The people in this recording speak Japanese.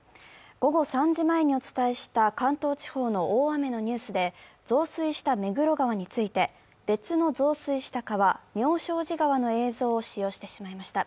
午後３時前にお伝えした関東地方の大雨のニュースで、増水した目黒川について別の増水した川、妙正寺川の映像を使用してしまいました。